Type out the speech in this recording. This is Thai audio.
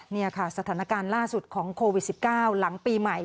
นี่ค่ะสถานการณ์ล่าสุดของโควิด๑๙หลังปีใหม่